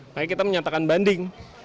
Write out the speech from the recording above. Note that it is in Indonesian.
nah kita menyatakan banding